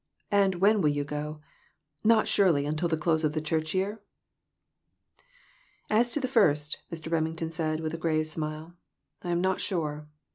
And when will you go ? Not, surely, until the close of the church year ?" "As to the first," Mr. Remington said, with a grave smile, " I am not sure.